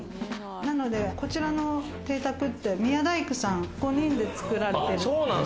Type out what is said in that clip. こちらの邸宅って宮大工さん５人で作られてる。